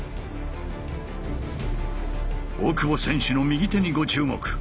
大久保選手の右手にご注目。